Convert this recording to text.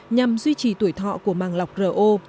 nhằm duy trì tuổi thọ của màng lọc ro